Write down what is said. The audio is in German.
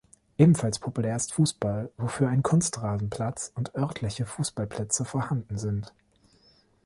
Ebenfalls populär ist Fußball, wofür ein Kunstrasenplatz und örtliche Fußballplätze vorhanden sind.